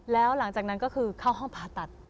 แล้วหลังจากนั้นก็คือเข้าห้องผ่าตัด